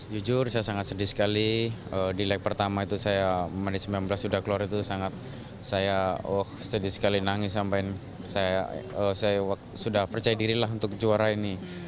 jujur saya sangat sedih sekali di lag pertama itu saya menit sembilan belas sudah keluar itu sangat saya oh sedih sekali nangis sampai saya sudah percaya diri lah untuk juara ini